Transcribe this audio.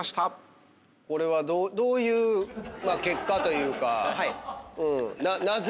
これはどういう結果というかなぜ？